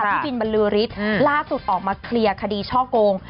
พี่บินบรรลือฤทธิ์ล่าสุดออกมาเคลียร์คดีช่อโกง